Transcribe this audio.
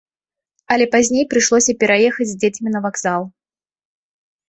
Але пазней прыйшлося пераехаць з дзецьмі на вакзал.